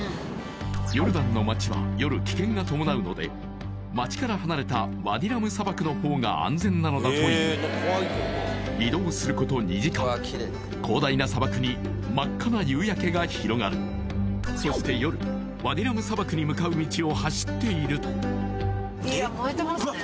ヨルダンの街は夜危険が伴うので街から離れたワディ・ラム砂漠の方が安全なのだという移動すること２時間広大な砂漠に真っ赤な夕焼けが広がるそして夜ワディ・ラム砂漠に向かう道を走っているとうわ